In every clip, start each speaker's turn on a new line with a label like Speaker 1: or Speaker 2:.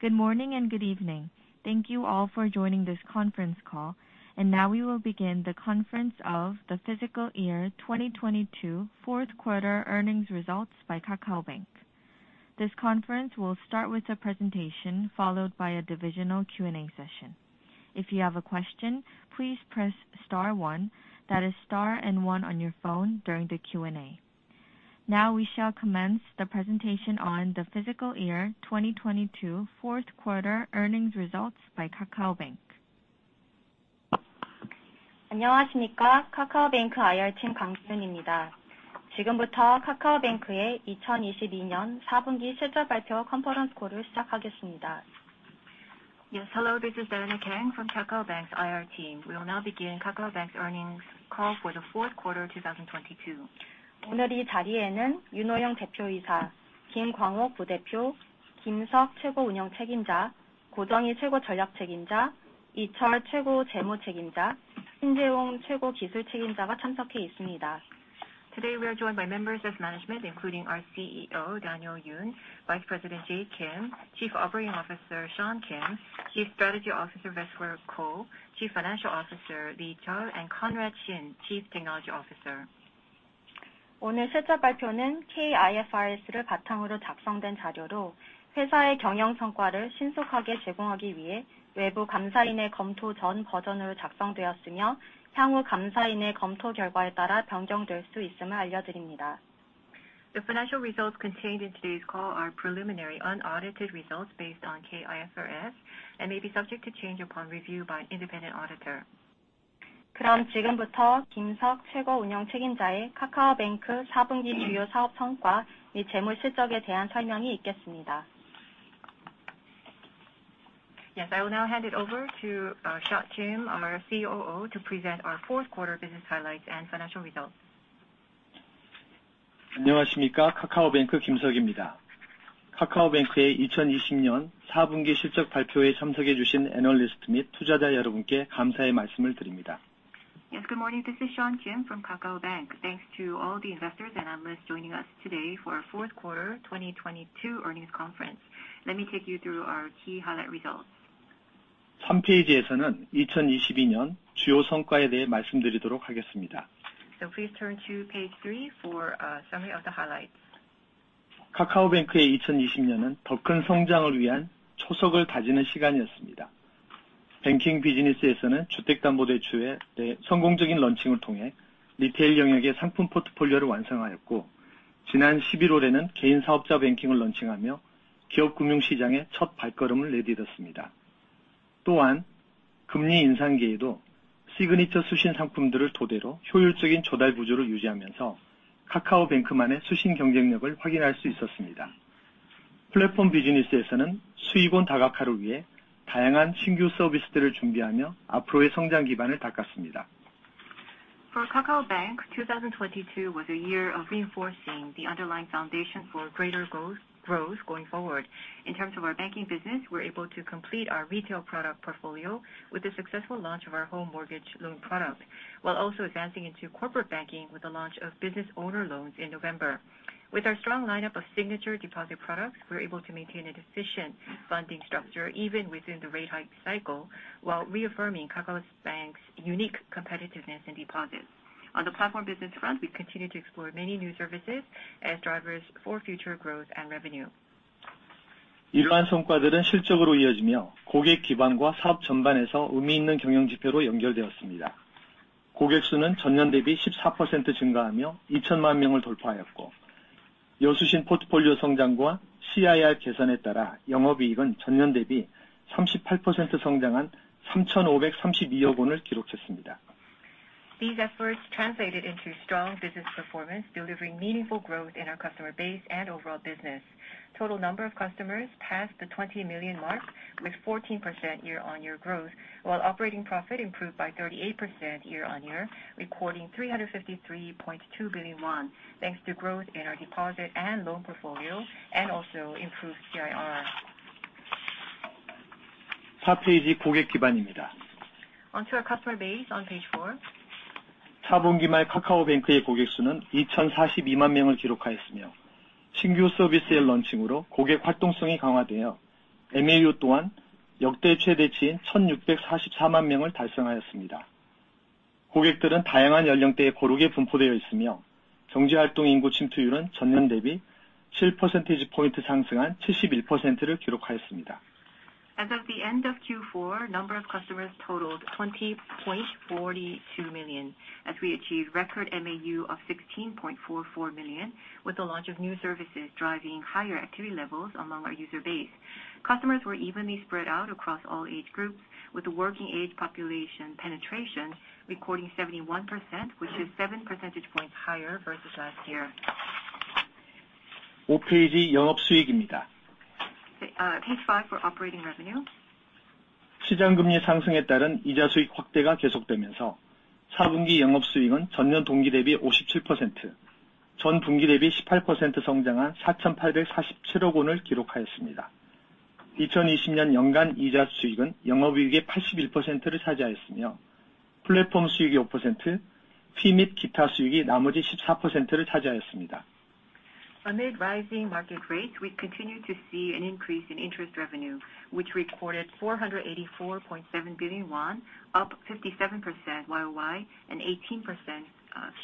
Speaker 1: Good morning and good evening. Thank you all for joining this conference call. Now we will begin the conference of the fiscal year 2022 fourth quarter earnings results by KakaoBank. This conference will start with a presentation, followed by a divisional Q&A session. If you have a question, please press star one, that is star and one on your phone during the Q&A. Now we shall commence the presentation on the fiscal year 2022 fourth quarter earnings results by KakaoBank.
Speaker 2: Hello this is Veronica from KakaoBank's IR team. We will now begin KakaoBank's earnings call for the fourth quarter 2022. Today we are joined by members of management, including our CEO Daniel Yun, Vice President Jay Kim, Chief Operating Officer Sean Kim, Chief Strategy Officer Jung-hee Ko, Chief Financial Officer Lee Seung-hwan, and Conrad Shin, Chief Technology Officer. The financial results contained in today's call are preliminary unaudited results based on K-IFRS and may be subject to change upon review by an independent auditor. I will now hand it over to Sean Kim, our COO, to present our fourth quarter business highlights and financial results.
Speaker 3: Good morning. This is Sean Kim from KakaoBank. Thanks to all the investors and analysts joining us today for our fourth quarter 2022 earnings conference. Let me take you through our key highlight results.
Speaker 2: Please turn to page three for a summary of the highlights. For KakaoBank, 2022 was a year of reinforcing the underlying foundation for greater growth going forward. In terms of our banking business, we're able to complete our retail product portfolio with the successful launch of our home mortgage loan product, while also advancing into corporate banking with the launch of business owner loans in November. With our strong lineup of signature deposit products, we're able to maintain a decision funding structure even within the rate hike cycle, while reaffirming KakaoBank's unique competitiveness in deposits. On the platform business front, we continue to explore many new services as drivers for future growth and revenue. These efforts translated into strong business performance, delivering meaningful growth in our customer base and overall business. Total number of customers passed the 20 million mark with 14% year-on-year growth, while operating profit improved by 38% year-on-year, recording 353.2 billion won, thanks to growth in our deposit and loan portfolio and also improved CIR. Onto our customer base on page four. As of the end of Q4, number of customers totaled 20.42 million, as we achieved record MAU of 16.44 million, with the launch of new services driving higher activity levels among our user base. Customers were evenly spread out across all age groups, with the working age population penetration recording 71%, which is 7 percentage points higher versus last year. Page five for operating revenue.
Speaker 4: 수익이 5%, fee 및 기타 수익이 나머지 14%를 차지하였습니다.
Speaker 2: Amid rising market rates, we continue to see an increase in interest revenue, which recorded 484.7 billion won, up 57% YOY and 18%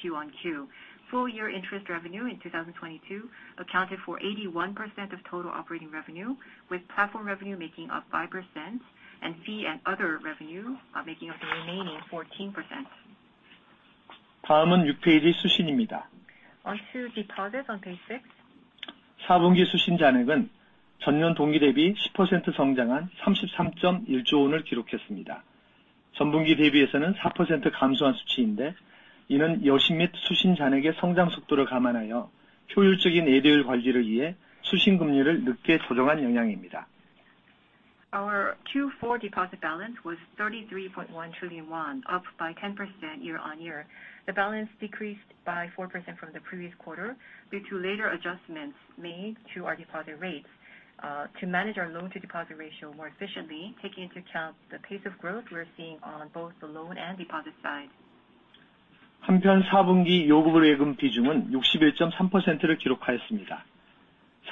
Speaker 2: Q-on-Q. Full year interest revenue in 2022 accounted for 81% of total operating revenue, with platform revenue making up 5% and fee and other revenue making up the remaining 14%.
Speaker 3: 다음은 6 페이지 수신입니다.
Speaker 2: On to deposit on page six.
Speaker 3: 사분기 수신 잔액은 전년 동기 대비 십 퍼센트 성장한 삼십삼점일조 원을 기록했습니다. 전분기 대비해서는 사 퍼센트 감소한 수치인데 이는 여신 및 수신 잔액의 성장 속도를 감안하여 효율적인 여대율 관리를 위해 수신 금리를 늦게 조정한 영향입니다.
Speaker 2: Our Q4 deposit balance was 33.1 trillion won, up by 10% year-on-year. The balance decreased by 4% from the previous quarter due to later adjustments made to our deposit rates, to manage our loan to deposit ratio more efficiently, taking into account the pace of growth we are seeing on both the loan and deposit side.
Speaker 3: 사분기 요금 예금 비중은 61.3%를 기록하였습니다.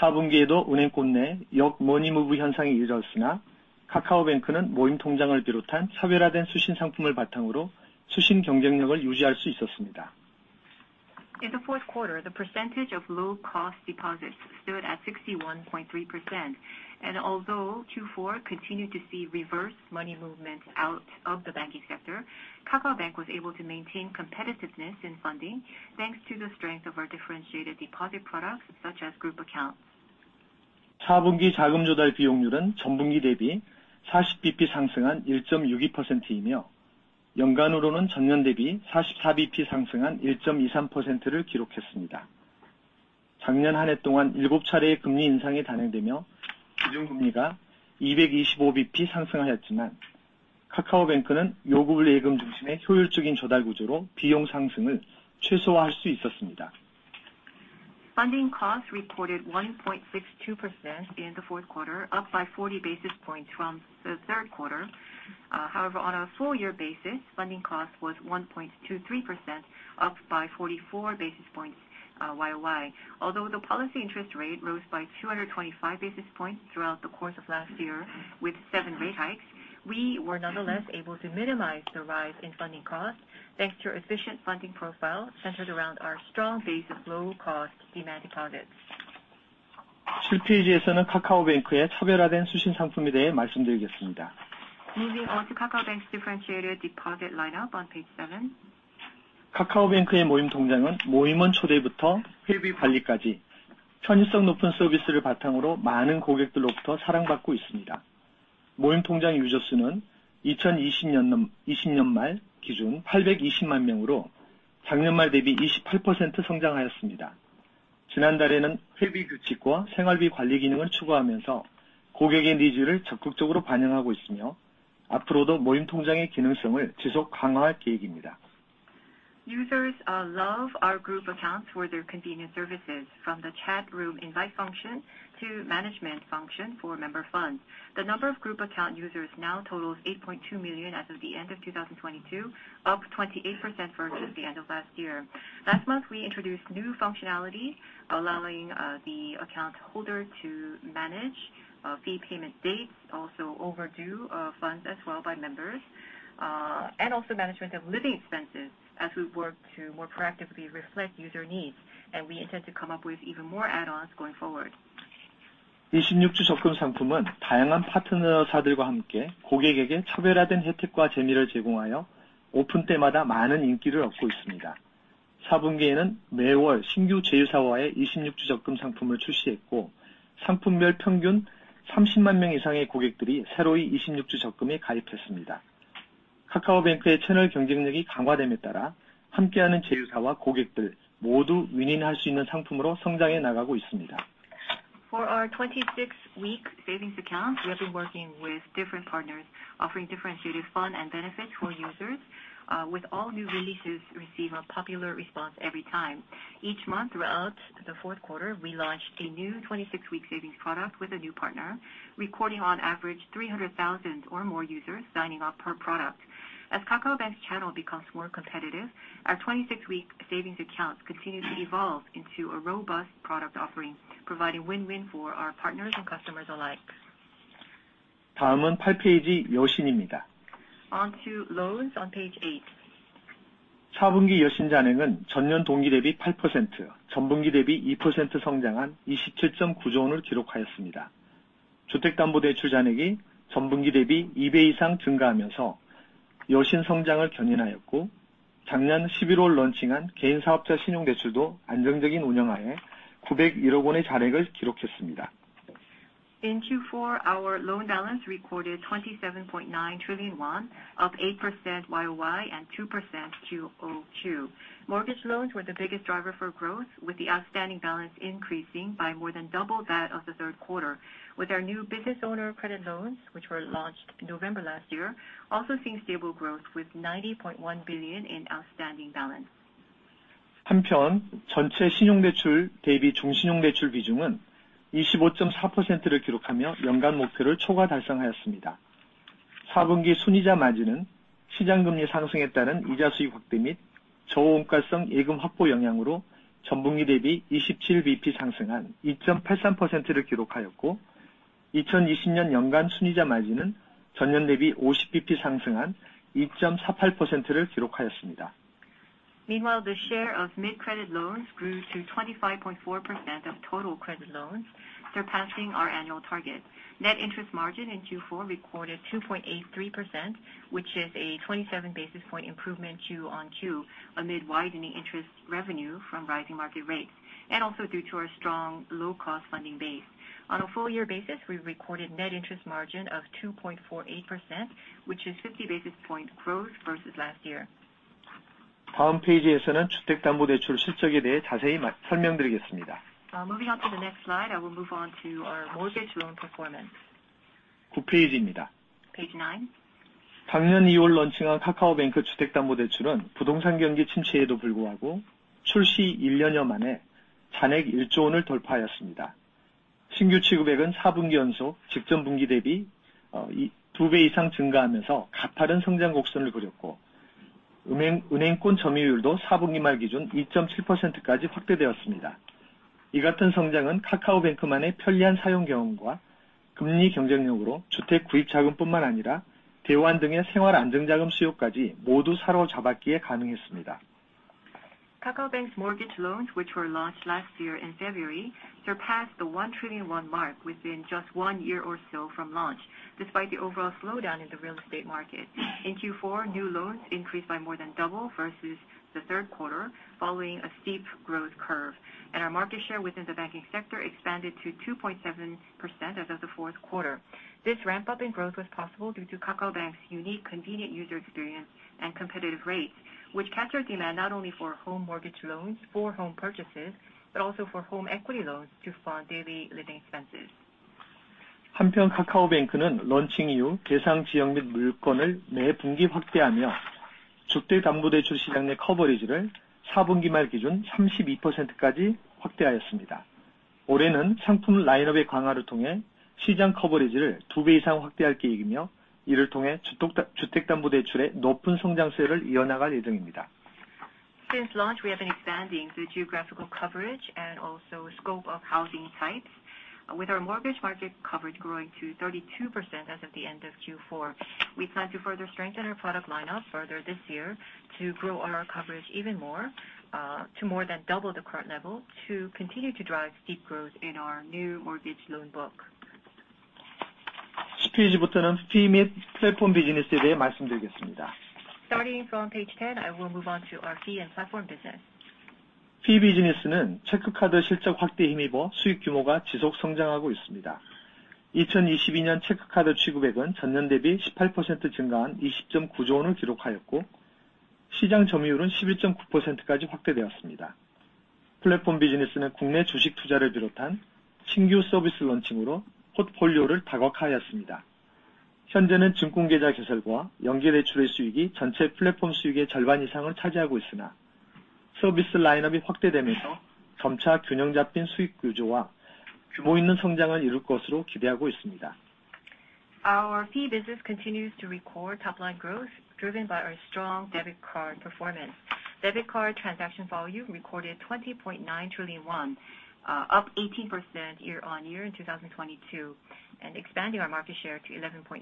Speaker 3: 사분기에도 은행권 내역 머니 무브 현상이 이어졌으나, KakaoBank는 모임 통장을 비롯한 차별화된 수신 상품을 바탕으로 수신 경쟁력을 유지할 수 있었습니다.
Speaker 2: In the fourth quarter, the percentage of low cost deposits stood at 61.3%. Although Q4 continued to see reverse money movement out of the banking sector, KakaoBank was able to maintain competitiveness in funding, thanks to the strength of our differentiated deposit products such as group accounts.
Speaker 3: 사분기 자금조달 비용률은 전분기 대비 사십 bp 상승한 일점육이 퍼센트이며, 연간으로는 전년 대비 사십사 bp 상승한 일점이상 퍼센트를 기록했습니다. 작년 한해 동안 일곱 차례의 금리 인상이 단행되며 기준금리가 이백이십오 bp 상승하였지만, 카카오뱅크는 요금 예금 중심의 효율적인 조달 구조로 비용 상승을 최소화할 수 있었습니다.
Speaker 2: Funding costs reported 1.62% in the fourth quarter, up by 40 basis points from the third quarter. However, on a full year basis, funding cost was 1.23%, up by 44 basis points, YoY. Although the policy interest rate rose by 225 basis points throughout the course of last year with seven rate hikes, we were nonetheless able to minimize the rise in funding costs, thanks to our efficient funding profile centered around our strong base of low cost demand deposits.
Speaker 4: 7 페이지에서는 KakaoBank의 차별화된 수신 상품에 대해 말씀드리겠습니다.
Speaker 2: Moving on to KakaoBank's differentiated deposit lineup on page seven.
Speaker 4: 카카오뱅크의 모임 통장은 모임원 초대부터 회비 관리까지 편의성 높은 서비스를 바탕으로 많은 고객들로부터 사랑받고 있습니다. 모임 통장 유저 수는 이천이십년 넘, 이십년 말 기준 팔백이십만 명으로 작년 말 대비 이십팔 퍼센트 성장하였습니다. 지난달에는 회비 규칙과 생활비 관리 기능을 추가하면서 고객의 니즈를 적극적으로 반영하고 있으며, 앞으로도 모임 통장의 기능성을 지속 강화할 계획입니다.
Speaker 2: Users love our Group Accounts for their convenient services. From the chat room invite function to management function for member funds. The number of Group Account users now totals 8.2 million as of the end of 2022, up 28% versus the end of last year. Last month, we introduced new functionality allowing the account holder to manage fee payment dates, also overdue funds as well by members, and also management of living expenses as we work to more proactively reflect user needs. We intend to come up with even more add-ons going forward.
Speaker 4: 26-week savings은 다양한 파트너사들과 함께 고객에게 차별화된 혜택과 재미를 제공하여 오픈 때마다 많은 인기를 얻고 있습니다. Q4에는 매월 신규 제휴사와 의 26-week savings 상품을 출시했고, 상품별 평균 300,000명 이상의 고객들이 새로이 26-week savings에 가입했습니다. KakaoBank의 채널 경쟁력이 강화됨에 따라 함께하는 제휴사와 고객들 모두 윈-윈할 수 있는 상품으로 성장해 나가고 있습니다.
Speaker 2: For our 26-week savings account, we have been working with different partners offering differentiated fund and benefits for users, with all new releases receive a popular response every time. Each month throughout the fourth quarter, we launched a new 26-week savings product with a new partner, recording on average 300,000 or more users signing up per product. As KakaoBank's channel becomes more competitive, our 26-week savings accounts continue to evolve into a robust product offering, providing win-win for our partners and customers alike.
Speaker 4: 다음은 8 페이지 여신입니다.
Speaker 2: On to loans on page eight.
Speaker 4: 사분기 여신 잔액은 전년 동기 대비 팔 퍼센트, 전분기 대비 이 퍼센트 성장한 이십칠점구조 원을 기록하였습니다. 주택담보대출 잔액이 전분기 대비 이배 이상 증가하면서 여신 성장을 견인하였고, 작년 십일월 런칭한 개인사업자 신용대출도 안정적인 운영하에 구백일억 원의 잔액을 기록했습니다.
Speaker 2: In Q4, our loan balance recorded 27.9 trillion won, up 8% YoY and 2% QoQ. Mortgage loans were the biggest driver for growth, with the outstanding balance increasing by more than double that of the third quarter. Our new business owner credit loans, which were launched November last year, also seeing stable growth with 90.1 billion in outstanding balance.
Speaker 4: 전체 신용대출 대비 중신용대출 비중은 25.4%를 기록하며 연간 목표를 초과 달성하였습니다. 4분기 순이자마진은 시장금리 상승에 따른 이자수익 확대 및 저원가성 예금 확보 영향으로 전분기 대비 27 basis points 상승한 2.83%를 기록하였고, 2020년 연간 순이자마진은 전년 대비 50 basis points 상승한 2.48%를 기록하였습니다.
Speaker 2: Meanwhile, the share of mid credit loans grew to 25.4% of total credit loans, surpassing our annual target. Net interest margin in Q4 recorded 2.83%, which is a 27 basis point improvement QoQ amid widening interest revenue from rising market rates, and also due to our strong low cost funding base. On a full year basis, we recorded net interest margin of 2.48%, which is 50 basis point growth versus last year.
Speaker 4: 다음 페이지에서는 주택담보대출 실적에 대해 자세히 설명드리겠습니다.
Speaker 2: Moving on to the next slide. I will move on to our mortgage loan performance.
Speaker 4: 9 페이지입니다.
Speaker 2: Page nine.
Speaker 4: 작년 이월 론칭한 카카오뱅크 주택담보대출은 부동산 경기 침체에도 불구하고 출시 일 년여 만에 잔액 일조원을 돌파하였습니다. 신규 취급액은 사 분기 연속 직전 분기 대비, 어, 이, 두배 이상 증가하면서 가파른 성장 곡선을 그렸고, 은행, 은행권 점유율도 사 분기 말 기준 이점 칠 퍼센트까지 확대되었습니다. 이 같은 성장은 카카오뱅크만의 편리한 사용 경험과 금리 경쟁력으로 주택 구입 자금뿐만 아니라 대환 등의 생활 안정 자금 수요까지 모두 사로잡았기에 가능했습니다.
Speaker 2: KakaoBank's mortgage loans, which were launched last year in February, surpassed the 1 trillion won mark within just one year or so from launch. Despite the overall slowdown in the real estate market. In Q4, new loans increased by more than double versus the third quarter, following a steep growth curve, and our market share within the banking sector expanded to 2.7% as of the fourth quarter. This ramp up in growth was possible due to KakaoBank's unique convenient user experience and competitive rates, which capture demand not only for home mortgage loans for home purchases, but also for home equity loans to fund daily living expenses.
Speaker 4: KakaoBank는 론칭 이후 대상 지역 및 물건을 매 분기 확대하며 주택담보대출 시장 내 커버리지를 Q4 end 기준 32%까지 확대하였습니다. 올해는 상품 라인업의 강화를 통해 시장 커버리지를 more than 2x 확대할 계획이며, 이를 통해 주택담보대출의 높은 성장세를 이어나갈 예정입니다.
Speaker 2: Since launch, we have been expanding the geographical coverage and also scope of housing types with our mortgage market coverage growing to 32% as of the end of Q4. We plan to further strengthen our product lineup further this year to grow our coverage even more, to more than double the current level to continue to drive steep growth in our new mortgage loan book.
Speaker 4: 10 페이지부터는 Fee 및 플랫폼 비즈니스에 대해 말씀드리겠습니다.
Speaker 2: Starting from page 10, I will move on to our fee and platform business.
Speaker 4: Fee 비즈니스는 체크카드 실적 확대에 힘입어 수익 규모가 지속 성장하고 있습니다. 2022년 체크카드 취급액은 전년 대비 18% 증가한 20.9 trillion을 기록하였고, 시장 점유율은 11.9%까지 확대되었습니다. 플랫폼 비즈니스는 국내 주식 투자를 비롯한 신규 서비스 론칭으로 포트폴리오를 다각화하였습니다. 현재는 증권계좌 개설과 연계대출의 수익이 전체 플랫폼 수익의 절반 이상을 차지하고 있으나, 서비스 라인업이 확대되면서 점차 균형 잡힌 수익 구조와 규모 있는 성장을 이룰 것으로 기대하고 있습니다.
Speaker 2: Our fee business continues to record top line growth, driven by our strong debit card performance. Debit card transaction volume recorded 20.9 trillion won, up 18% year-on-year in 2022, and expanding our market share to 11.9%.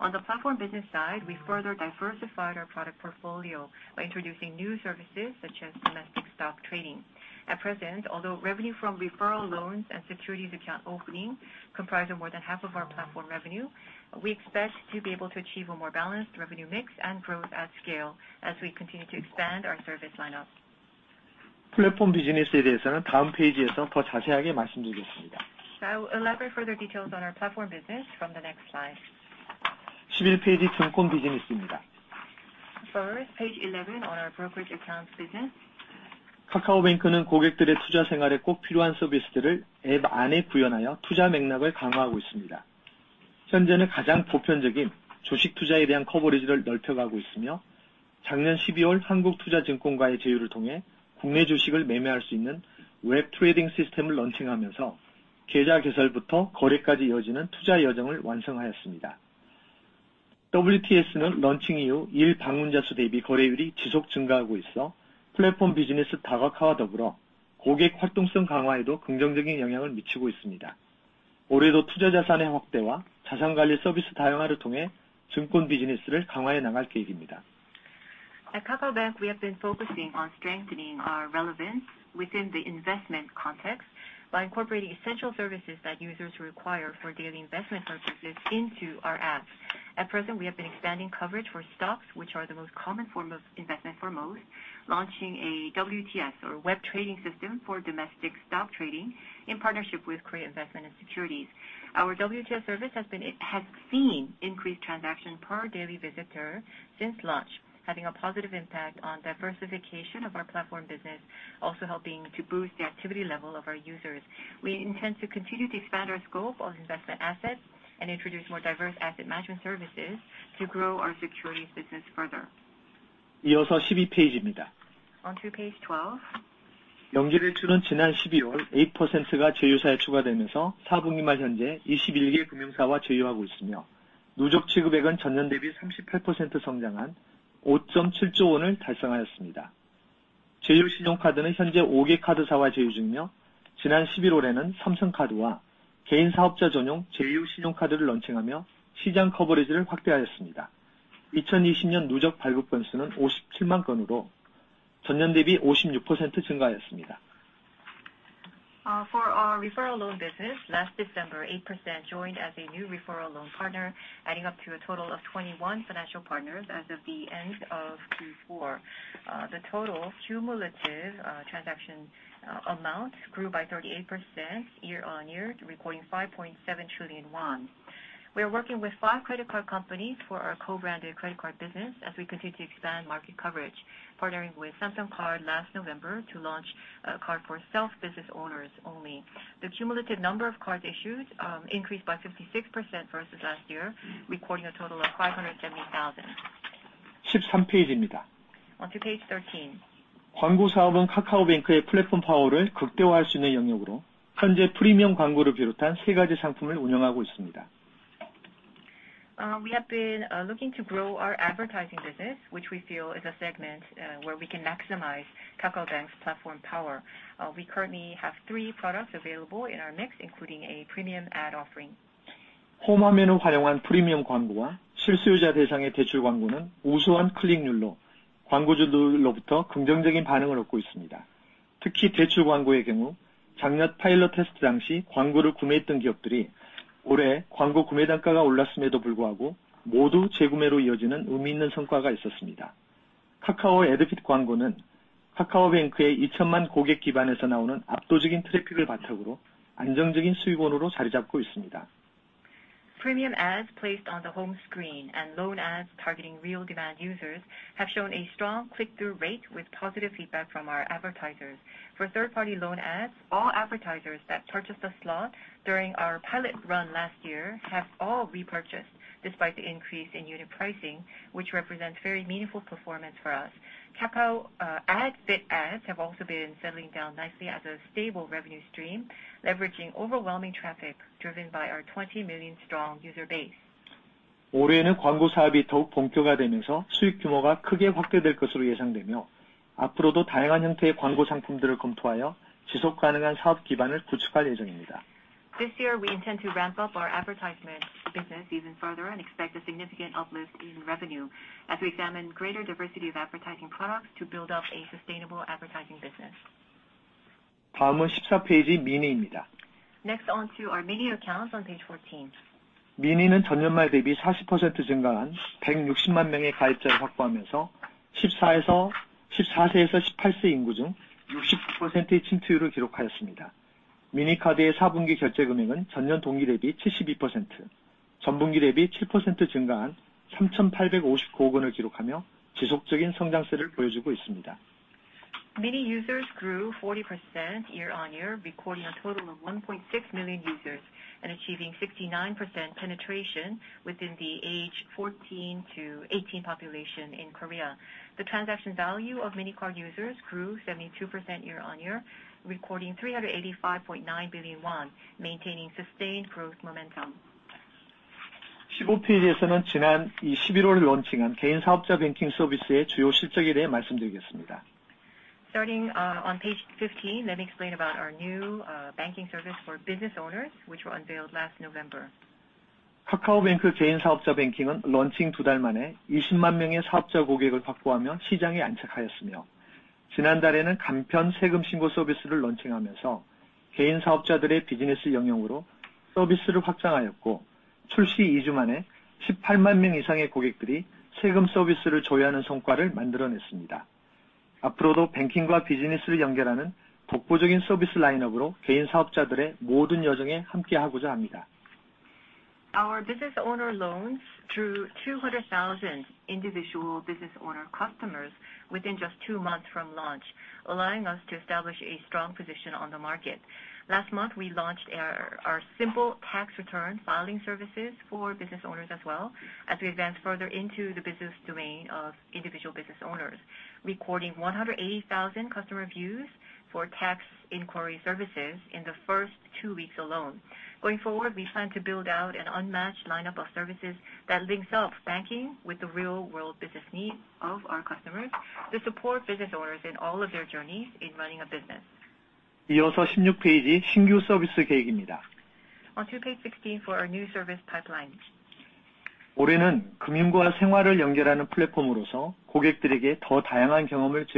Speaker 2: On the platform business side, we further diversified our product portfolio by introducing new services such as domestic stock trading. At present, although revenue from referral loans and securities account opening comprise of more than half of our platform revenue, we expect to be able to achieve a more balanced revenue mix and growth at scale as we continue to expand our service lineup.
Speaker 4: 플랫폼 비즈니스에 대해서는 다음 페이지에서 더 자세하게 말씀드리겠습니다.
Speaker 2: I will elaborate further details on our platform business from the next slide.
Speaker 4: Page 11 securities business.
Speaker 2: page 11 on our brokerage accounts business.
Speaker 4: 카카오뱅크는 고객들의 투자 생활에 꼭 필요한 서비스들을 앱 안에 구현하여 투자 맥락을 강화하고 있습니다. 현재는 가장 보편적인 주식투자에 대한 커버리지를 넓혀가고 있으며, 작년 십이월 한국투자증권과의 제휴를 통해 국내 주식을 매매할 수 있는 웹 트레이딩 시스템을 론칭하면서 계좌 개설부터 거래까지 이어지는 투자 여정을 완성하였습니다. WTS는 론칭 이후 일 방문자 수 대비 거래율이 지속 증가하고 있어 플랫폼 비즈니스 다각화와 더불어 고객 활동성 강화에도 긍정적인 영향을 미치고 있습니다. 올해도 투자 자산의 확대와 자산관리 서비스 다양화를 통해 증권 비즈니스를 강화해 나갈 계획입니다.
Speaker 2: At KakaoBank, we have been focusing on strengthening our relevance within the investment context by incorporating essential services that users require for daily investment purposes into our apps. At present, we have been expanding coverage for stocks, which are the most common form of investment for most, launching a WTS or web trading system for domestic stock trading in partnership with Korea Investment & Securities. Our WTS service has seen increased transaction per daily visitor since launch, having a positive impact on diversification of our platform business. Also helping to boost the activity level of our users. We intend to continue to expand our scope of investment assets and introduce more diverse asset management services to grow our securities business further. On to page 12. For our referral loan business, last December, 8 Percent joined as a new referral loan partner, adding up to a total of 21 financial partners as of the end of Q4. The total cumulative transaction amount grew by 38% year-over-year, recording 5.7 trillion won. We are working with 5 credit card companies for our co-branded credit card business as we continue to expand market coverage, partnering with Samsung Card last November to launch a card for self-business owners only. The cumulative number of cards issued increased by 56% versus last year, recording a total of 570,000. On to page 13. We have been looking to grow our advertising business, which we feel is a segment where we can maximize KakaoBank's platform power. We currently have three products available in our mix, including a premium ad offering. Premium ads placed on the home screen and loan ads targeting real demand users have shown a strong click-through rate with positive feedback from our advertisers. For third party loan ads, all advertisers that purchased a slot during our pilot run last year have all repurchased, despite the increase in unit pricing, which represents very meaningful performance for us. Kakao AdFit ads have also been settling down nicely as a stable revenue stream, leveraging overwhelming traffic driven by our 20 million strong user base. This year, we intend to ramp up our advertisement business even further and expect a significant uplift in revenue as we examine greater diversity of advertising products to build up a sustainable advertising business. Next, on to our mini accounts on page 14. mini users grew 40% year-over-year, recording a total of 1.6 million users and achieving 69% penetration within the age 14-18 population in Korea. The transaction value of mini card users grew 72% year-over-year, recording KRW 385.9 billion, maintaining sustained growth momentum. Starting on page 15, let me explain about our new banking service for business owners, which were unveiled last November. Our business owner loans drew 200,000 individual business owner customers within just two months from launch, allowing us to establish a strong position on the market. Last month, we launched our simple tax return filing services for business owners as well, as we advance further into the business domain of individual business owners, recording 180,000 customer views for tax inquiry services in the first two weeks alone. Going forward, we plan to build out an unmatched lineup of services that links up banking with the real world business needs of our customers to support business owners in all of their journeys in running a business. On to page 16 for our new service pipeline. This year, we wish to make more diverse user experiences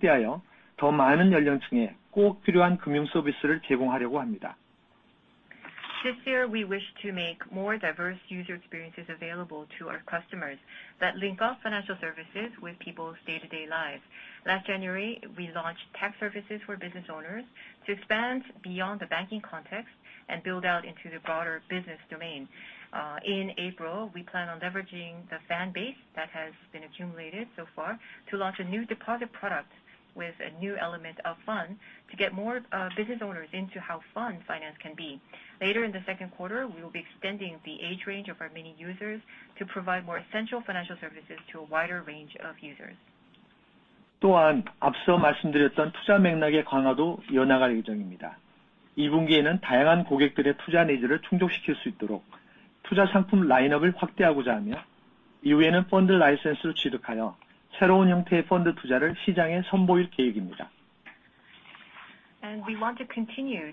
Speaker 2: available to our customers that link up financial services with people's day-to-day lives. Last January, we launched tax services for business owners to expand beyond the banking context and build out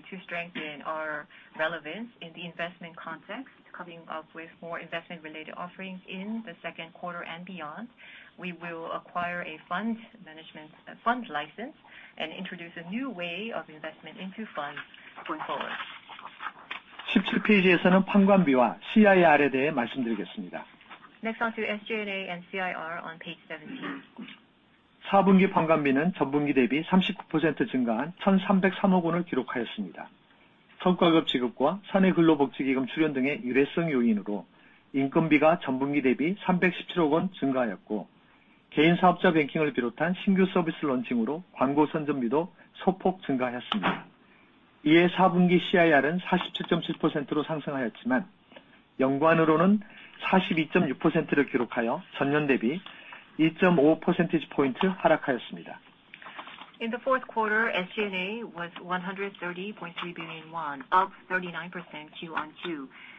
Speaker 2: into the broader business domain. In April, we plan on leveraging the fan base that has been accumulated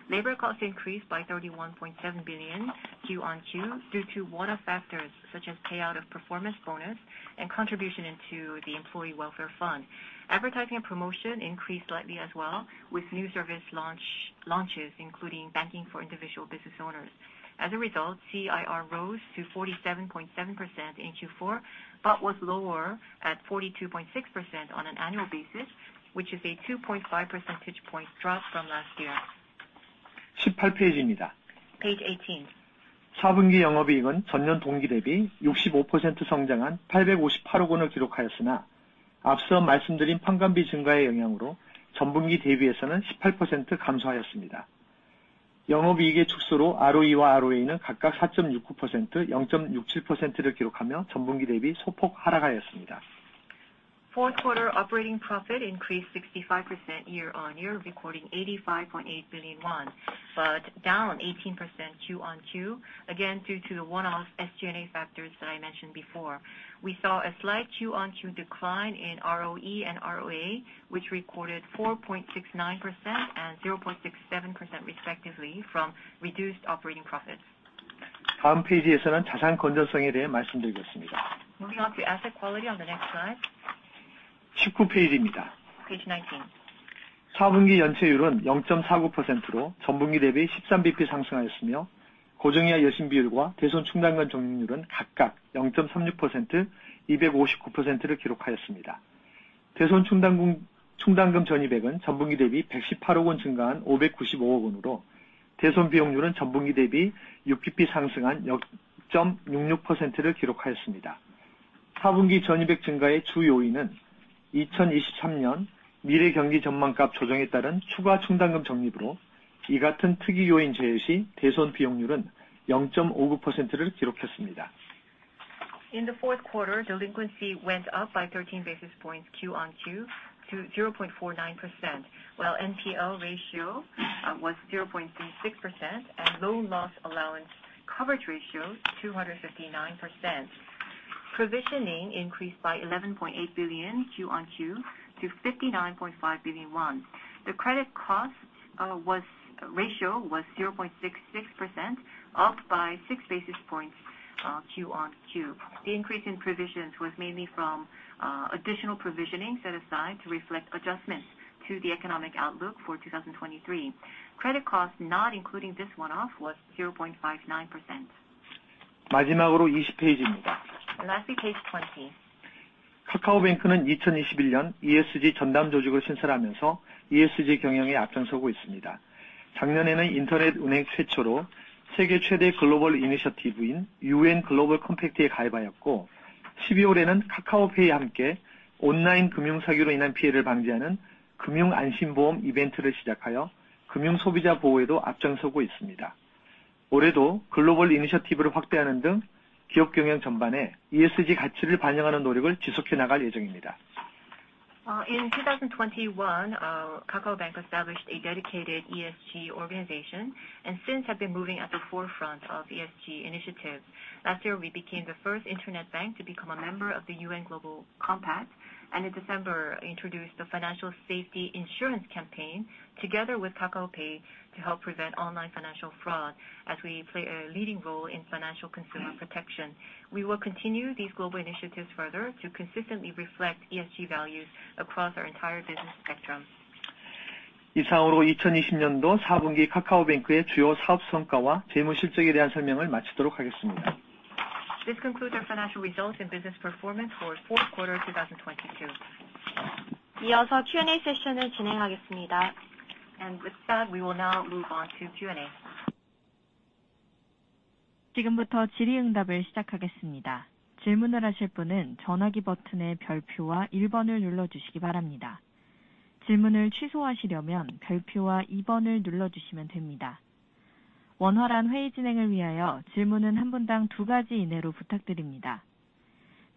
Speaker 2: Labor costs increased by 31.7 billion Q-on-Q due to one-off factors such as payout of performance bonus and contribution into the employee welfare fund. Advertising and promotion increased slightly as well with new service launches, including banking for individual business owners. CIR rose to 47.7% in Q4, but was lower at 42.6% on an annual basis, which is a 2.5 percentage point drop from last year. Page 18. Fourth quarter operating profit increased 65% year-on-year, recording 85.8 billion won, down 18% Q-on-Q. Due to the one-off SG&A factors that I mentioned before. We saw a slight Q-on-Q decline in ROE and ROA, which recorded 4.69% and 0.67% respectively from reduced operating profits. Moving on to asset quality on the next slide. Page 19. In the fourth quarter, delinquency went up by 13 basis points Q-on-Q to 0.49%, while NPL ratio was 0.36% and loan loss allowance coverage ratio 259%. Provisioning increased by 11.8 billion Q-on-Q to 59.5 billion won. The credit cost ratio was 0.66%, up by 6 basis points Q-on-Q. The increase in provisions was mainly from additional provisioning set aside to reflect adjustments to the economic outlook for 2023. Credit costs not including this one off was 0.59%. Lastly, page 20. In 2021, KakaoBank established a dedicated ESG organization and since have been moving at the forefront of ESG initiatives. Last year, we became the first internet bank to become a member of the UN Global Compact, and in December introduced the financial safety insurance campaign together with KakaoPay to help prevent online financial fraud as we play a leading role in financial consumer protection. We will continue these global initiatives further to consistently reflect ESG values across our entire business spectrum. This concludes our financial results and business performance for fourth quarter 2022. With that, we will now move on to Q&A.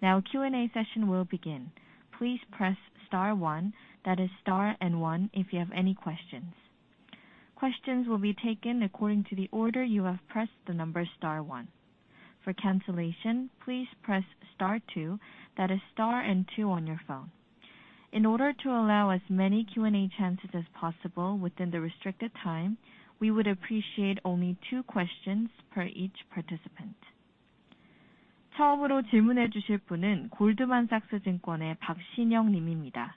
Speaker 1: Now Q&A session will begin. Please press star one. That is star and one if you have any questions. Questions will be taken according to the order you have pressed the number star one. For cancellation, please press star two. That is star and two on your phone. In order to allow as many Q&A chances as possible within the restricted time, we would appreciate only 2 questions per each participant. The first question will be provided by Shinyoung Park from Goldman Sachs. Please go ahead with your question.
Speaker 5: ne, 안녕하세요. 저 골드만삭스증권의 박신영입니다.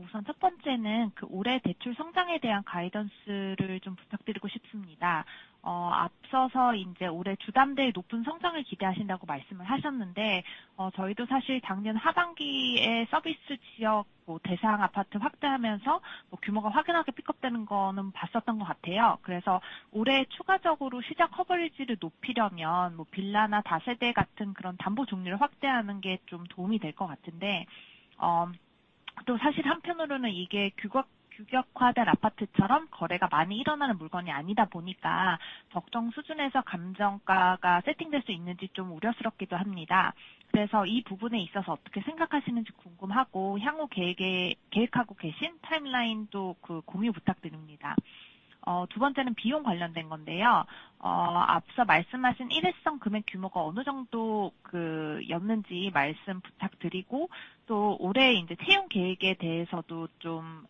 Speaker 5: 우선 첫 번째는 그 올해 대출 성장에 대한 가이던스를 좀 부탁드리고 싶습니다. 앞서서 이제 올해 주담대 높은 성장을 기대하신다고 말씀을 하셨는데, 저희도 사실 작년 하반기에 서비스 지역 뭐 대상 아파트 확대하면서 뭐 규모가 확연하게 픽업되는 거는 봤었던 것 같아요. 올해 추가적으로 시장 커버리지를 높이려면 뭐 빌라나 다세대 같은 그런 담보 종류를 확대하는 게좀 도움이 될것 같은데, 또 사실 한편으로는 이게 규격화된 아파트처럼 거래가 많이 일어나는 물건이 아니다 보니까 적정 수준에서 감정가가 세팅될 수 있는지 좀 우려스럽기도 합니다. 이 부분에 있어서 어떻게 생각하시는지 궁금하고, 향후 계획에 계획하고 계신 타임라인도 그 공유 부탁드립니다. 두 번째는 비용 관련된 건데요. 앞서 말씀하신 일회성 금액 규모가 어느 정도 그였는지 말씀 부탁드리고, 또 올해 이제 채용 계획에 대해서도 좀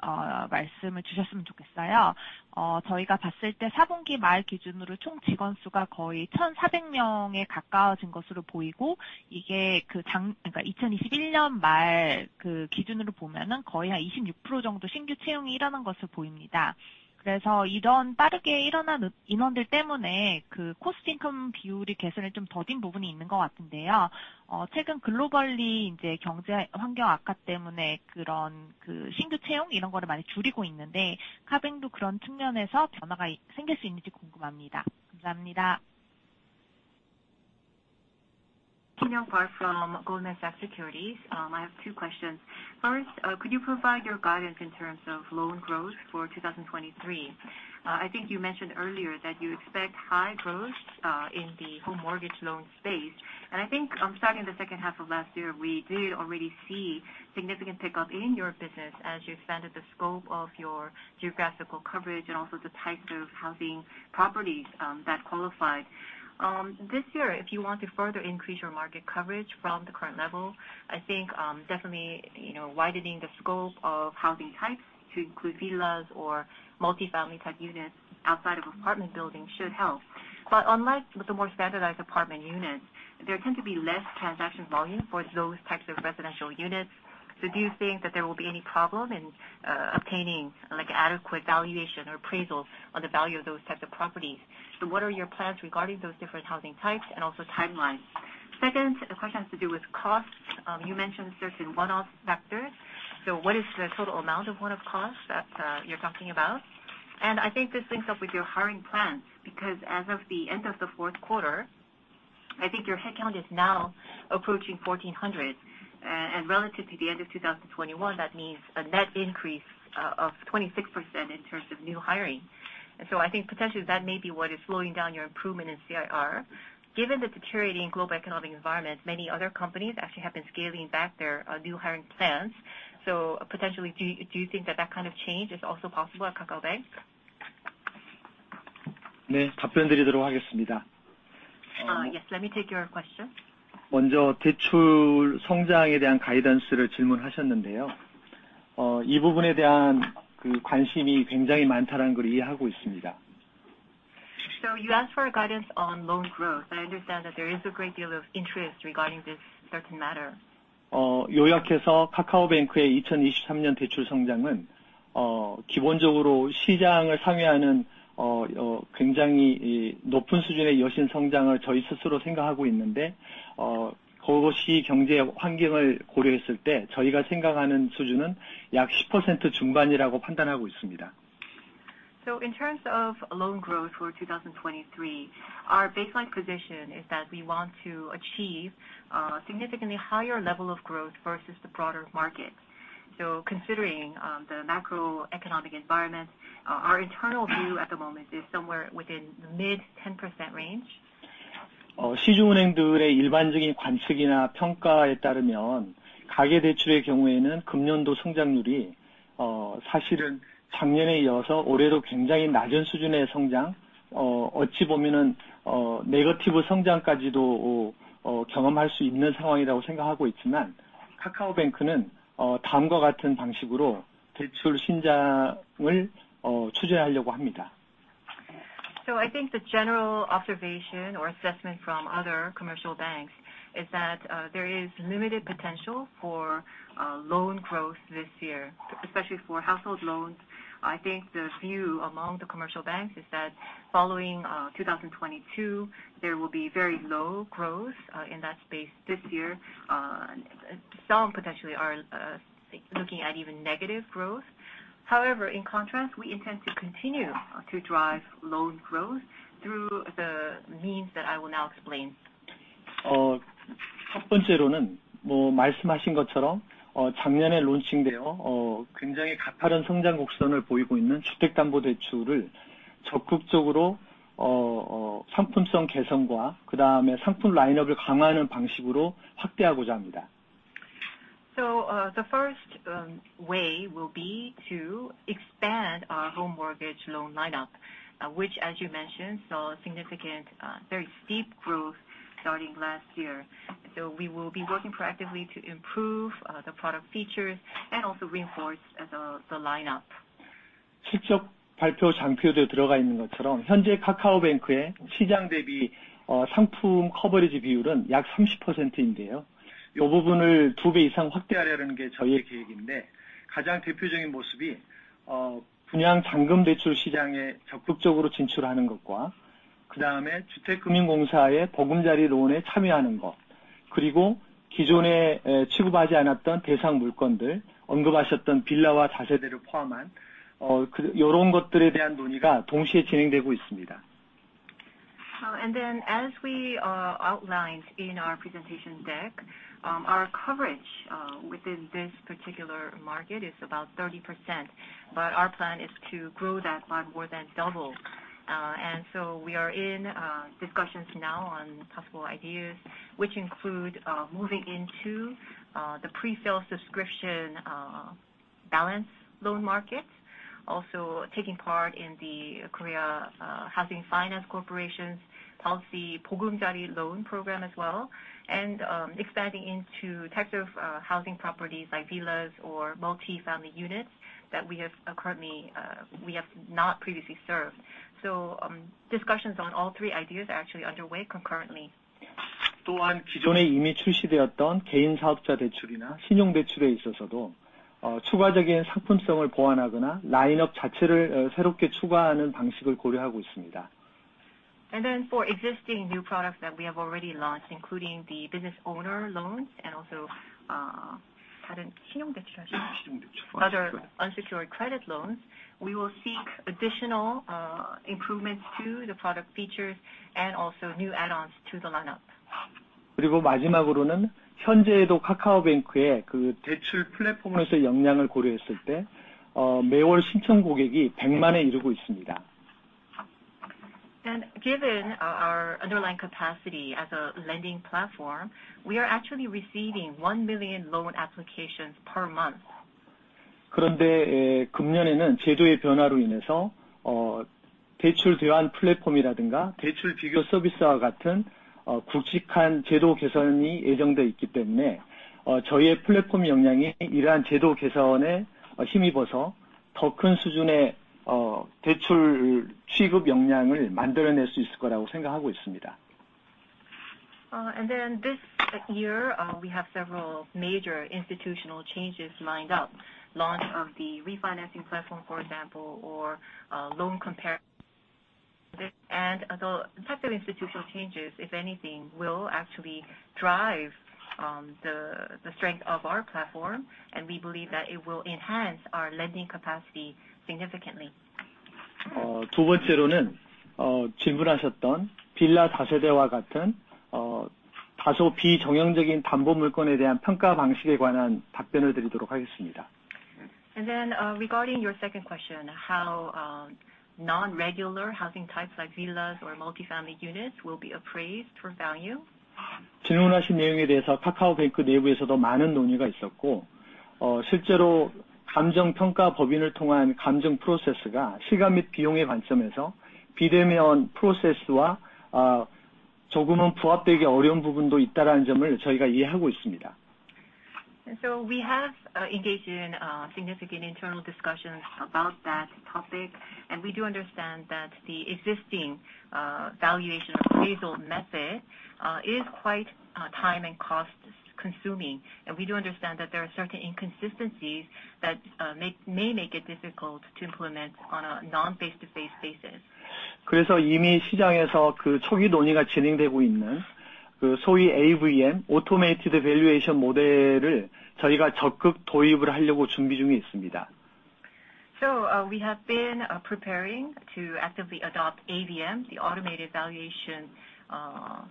Speaker 5: 말씀을 주셨으면 좋겠어요. Uh, 저희가 봤을 때 사분기 말 기준으로 총 직원 수가 거의 천사백 명에 가까워진 것으로 보이고, 이게 그 작... 그러니까 이천이십일년 말그 기준으로 보면은 거의 한 이십육 프로 정도 신규 채용이 일어난 것으로 보입니다. 그래서 이런 빠르게 일어난 인원들 때문에 그 코스팅콤 비율이 개선이 좀 더딘 부분이 있는 것 같은데요. Uh, 최근 글로벌리 이제 경제 환경 악화 때문에 그런 그 신규 채용 이런 거를 많이 줄이고 있는데, 카뱅도 그런 측면에서 변화가 생길 수 있는지 궁금합니다. 감사합니다.
Speaker 2: Shinyoung Park from Goldman Sachs Securities. I have two questions. First, could you provide your guidance in terms of loan growth for 2023? I think you mentioned earlier that you expect high growth in the home mortgage loan space. I think, starting the second half of last year, we did already see significant pickup in your business as you expanded the scope of your geographical coverage and also the types of housing properties that qualified. This year, if you want to further increase your market coverage from the current level, I think, definitely, you know, widening the scope of housing types to include villas or multi-family type units outside of apartment buildings should help. Unlike with the more standardized apartment units, there tend to be less transaction volume for those types of residential units. Do you think that there will be any problem in obtaining like adequate valuation or appraisals on the value of those types of properties? What are your plans regarding those different housing types and also timelines? Second question has to do with costs. You mentioned certain one-off factors. What is the total amount of one-off costs that you're talking about? I think this links up with your hiring plans because as of the end of the fourth quarter, I think your headcount is now approaching 1,400. And relative to the end of 2021, that means a net increase of 26% in terms of new hiring. I think potentially that may be what is slowing down your improvement in CIR. Given the deteriorating global economic environment, many other companies actually have been scaling back their new hiring plans. Potentially, do you think that that kind of change is also possible at KakaoBank?
Speaker 4: 네, 답변드리도록 하겠습니다.
Speaker 2: Yes. Let me take your question.
Speaker 4: 먼저 대출 성장에 대한 가이던스를 질문하셨는데요. 이 부분에 대한 그 관심이 굉장히 많다라는 걸 이해하고 있습니다.
Speaker 2: You asked for a guidance on loan growth. I understand that there is a great deal of interest regarding this certain matter.
Speaker 4: 요약해서 KakaoBank의 2023년 대출 성장은, 기본적으로 시장을 상회하는, 굉장히 높은 수준의 여신 성장을 저희 스스로 생각하고 있는데, 그것이 경제 환경을 고려했을 때 저희가 생각하는 수준은 약 10% 중반이라고 판단하고 있습니다.
Speaker 2: In terms of loan growth for 2023, our baseline position is that we want to achieve significantly higher level of growth versus the broader market. Considering the macroeconomic environment, our internal view at the moment is somewhere within the mid 10% range.
Speaker 4: 시중은행들의 일반적인 관측이나 평가에 따르면 가계대출의 경우에는 금년도 성장률이 사실은 작년에 이어서 올해도 굉장히 낮은 수준의 성장 어찌 보면은 네거티브 성장까지도 경험할 수 있는 상황이라고 생각하고 있지만, KakaoBank는 다음과 같은 방식으로 대출 신장을 추진하려고 합니다.
Speaker 2: I think the general observation or assessment from other commercial banks is that, there is limited potential for loan growth this year, especially for household loans. I think the view among the commercial banks is that following 2022, there will be very low growth in that space this year. Some potentially are looking at even negative growth. However, in contrast, we intend to continue to drive loan growth through the means that I will now explain. The first way will be to expand our home mortgage loan lineup, which as you mentioned, saw significant very steep growth starting last year. We will be working proactively to improve the product features and also reinforce the lineup. As we outlined in our presentation deck, our coverage within this particular market is about 30%, but our plan is to grow that by more than double. We are in discussions now on possible ideas which include moving into the pre-sale subscription balance loan markets, also taking part in the Korea Housing Finance Corporation's policy Bogeumjari loan program as well, and expanding into types of housing properties like villas or multi-family units that we have currently, we have not previously served. Discussions on all three ideas are actually underway concurrently. For existing new products that we have already launched, including the business owner loans and also other unsecured credit loans, we will seek additional improvements to the product features and also new add-ons to the lineup. Given our underlying capacity as a lending platform, we are actually receiving 1 million loan applications per month. This year, we have several major institutional changes lined up. Launch of the refinancing platform, for example, or loan comparison. The type of institutional changes, if anything, will actually drive the strength of our platform, and we believe that it will enhance our lending capacity significantly. Regarding your second question, how non-regular housing types like villas or multi-family units will be appraised for value. We have engaged in significant internal discussions about that topic, and we do understand that the existing valuation appraisal method is quite time and cost-consuming. We do understand that there are certain inconsistencies that may make it difficult to implement on a non-face-to-face basis. We have been preparing to actively adopt AVM, the Automated Valuation Method, AVM. Anyway.
Speaker 4: Model.
Speaker 2: Model, sorry. The Automated Valuation Model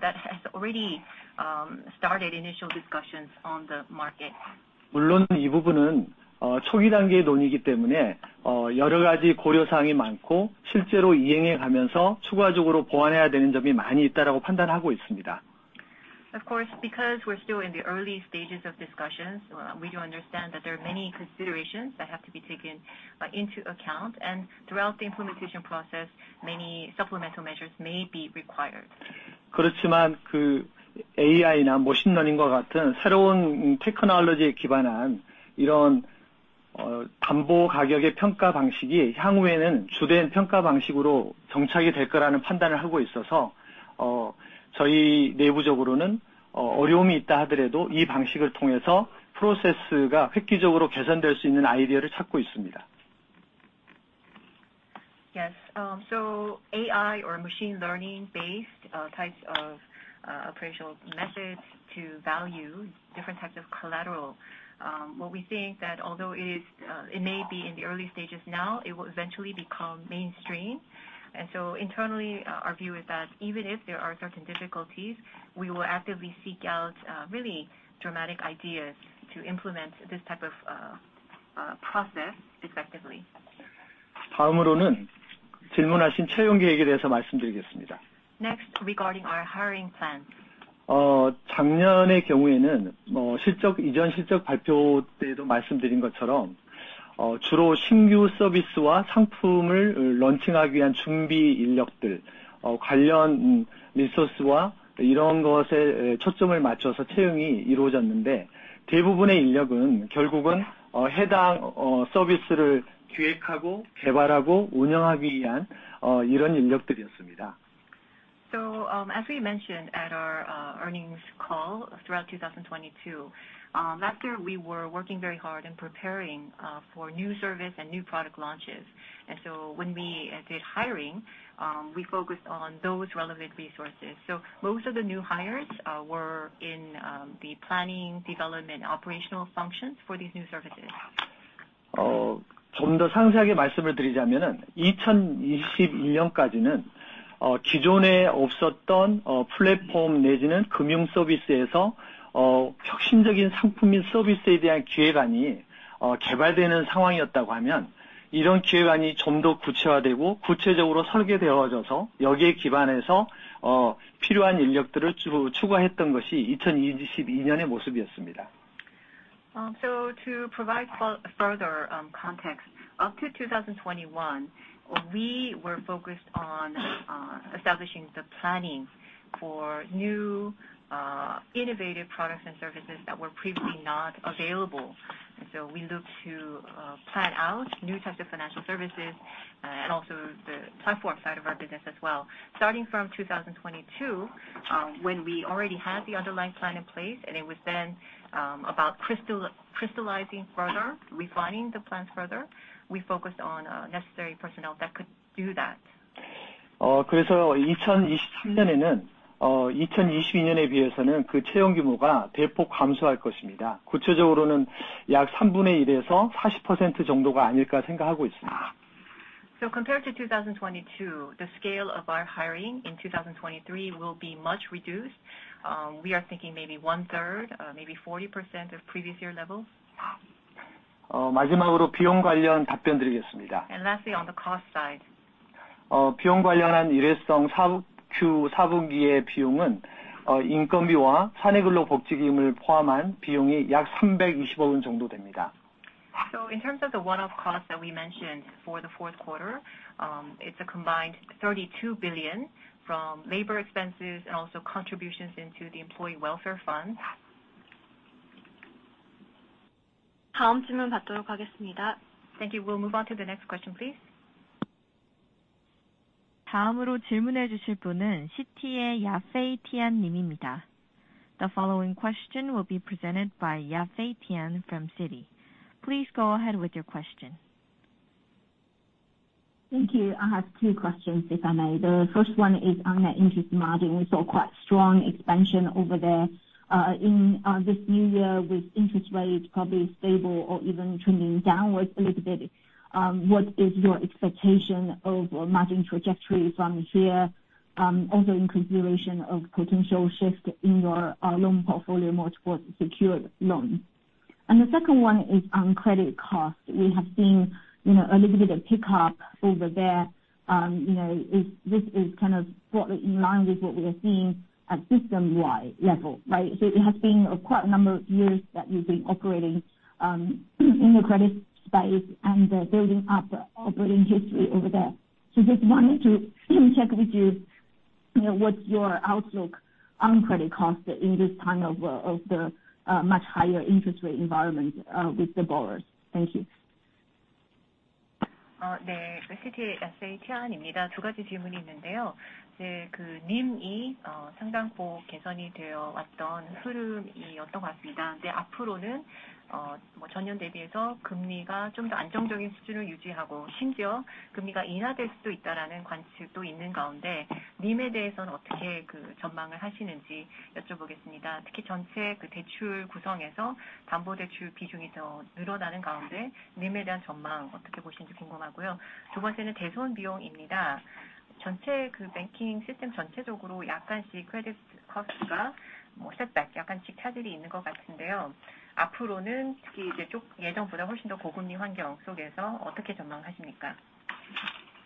Speaker 2: that has already started initial discussions on the market. Of course, because we're still in the early stages of discussions, we do understand many considerations that have to be taken into account, and throughout the implementation process, many supplemental measures may be required. Yes. So AI or machine learning-based types of appraisal methods to value different types of collateral, what we think that although it is, it may be in the early stages now, it will eventually become mainstream. Internally, our view is that even if there are certain difficulties, we will actively seek out really dramatic ideas to implement this type of process effectively. Next, regarding our hiring plans. As we mentioned at our earnings call throughout 2022, last year we were working very hard in preparing for new service and new product launches. When we did hiring, we focused on those relevant resources. Most of the new hires were in the planning, development, operational functions for these new services. To provide further context, up to 2021, we were focused on establishing the planning for new innovative products and services that were previously not available. We looked to plan out new types of financial services and also the platform side of our business as well. Starting from 2022, when we already had the underlying plan in place and it was then about crystallizing further, refining the plans further, we focused on necessary personnel that could do that. Compared to 2022, the scale of our hiring in 2023 will be much reduced. We are thinking maybe 1/3, maybe 40% of previous year levels. Lastly, on the cost side. In terms of the one-off costs that we mentioned for the fourth quarter, it's a combined 32 billion from labor expenses and also contributions into the employee welfare fund.
Speaker 1: Thank you. We'll move on to the next question, please. The following question will be presented by Yafei Tian from Citi. Please go ahead with your question.
Speaker 6: Thank you. I have two questions, if I may. The first one is on the interest margin. We saw quite strong expansion over there, in this new year with interest rates probably stable or even trending downwards a little bit. What is your expectation of margin trajectory from here, also in consideration of potential shift in your loan portfolio more towards secured loans? The second one is on credit costs. We have seen, you know, a little bit of pickup over there. You know, is this kind of what in line with what we are seeing at system-wide level, right? It has been quite a number of years that you've been operating in the credit space and building up operating history over there. Just wanted to check with you know, what's your outlook on credit costs in this time of the much higher interest rate environment with the borrowers? Thank you.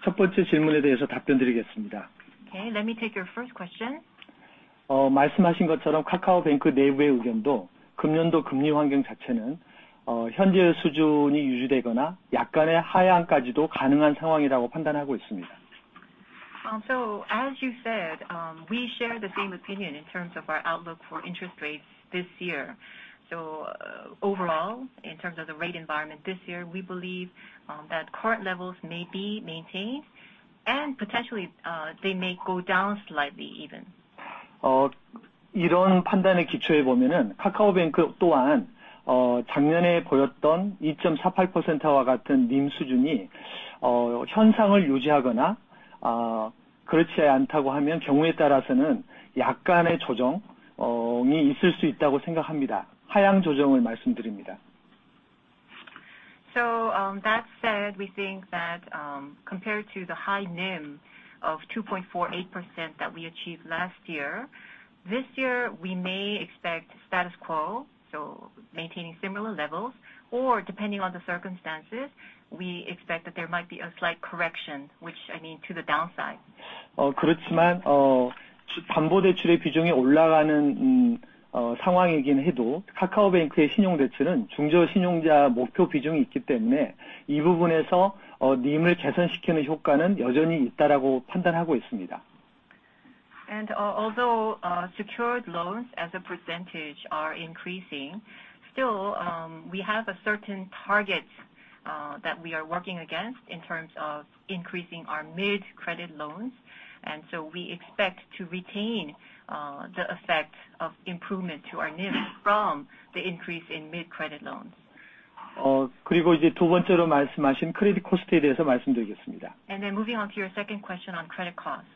Speaker 4: 첫 번째 질문에 대해서 답변드리겠습니다.
Speaker 2: Okay. Let me take your first question.
Speaker 4: 말씀하신 것처럼 KakaoBank 내부의 의견도 금년도 금리 환경 자체는 현재 수준이 유지되거나 약간의 하향까지도 가능한 상황이라고 판단하고 있습니다.
Speaker 2: As you said, we share the same opinion in terms of our outlook for interest rates this year. Overall, in terms of the rate environment this year, we believe, that current levels may be maintained and potentially, they may go down slightly even.
Speaker 4: 이런 판단에 기초해 보면은 KakaoBank 또한, 작년에 보였던 2.48%와 같은 NIM 수준이 현상을 유지하거나, 그렇지 않다고 하면 경우에 따라서는 약간의 조정이 있을 수 있다고 생각합니다. 하향 조정을 말씀드립니다.
Speaker 2: That said, we think that, compared to the high NIM of 2.48% that we achieved last year, this year, we may expect status quo, so maintaining similar levels or depending on the circumstances, we expect that there might be a slight correction, which I mean, to the downside.
Speaker 4: 담보대출의 비중이 올라가는 상황이긴 해도 KakaoBank의 신용대출은 중저신용자 목표 비중이 있기 때문에 이 부분에서 NIM을 개선시키는 효과는 여전히 있다라고 판단하고 있습니다.
Speaker 2: Although secured loans as a percentage are increasing, still, we have a certain target that we are working against in terms of increasing our mid credit loans. We expect to retain the effect of improvement to our NIM from the increase in mid credit loans.
Speaker 4: 이제 두 번째로 말씀하신 크레딧 코스트에 대해서 말씀드리겠습니다.
Speaker 2: Moving on to your second question on credit costs.